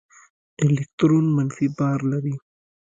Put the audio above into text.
الکترون منفي بار لري.